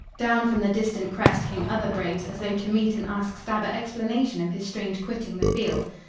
Down from the distant crest came other braves as though to meet and ask Stabber explanation of his strange quitting the field.